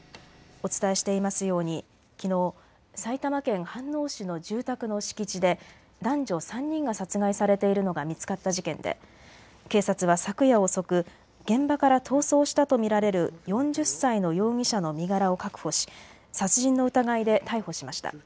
お伝えしていますようにきのう埼玉県飯能市の住宅の敷地で男女３人が殺害されているのが見つかった事件で警察は昨夜遅く現場から逃走したとみられる４０歳の容疑者の身柄を確保し殺人の疑いで逮捕しました。